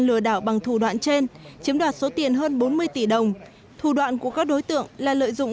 lừa đảo bằng thủ đoạn trên chiếm đoạt số tiền hơn bốn mươi tỷ đồng thủ đoạn của các đối tượng là lợi dụng